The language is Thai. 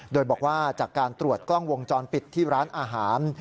โดยบอกว่าจากการตรวจกล้องวงจรปิดที่ร้านอาหาร